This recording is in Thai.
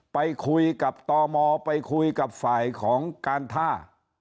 ไปคุยกับตมไปคุยกับฝ่ายของการท่า